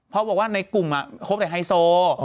เพราะบอกว่าในกลุ่มคบแต่ไฮโซ